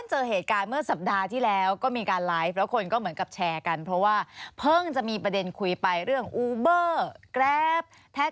เนี่ยมีมาก่อนหน้านี้แล้ว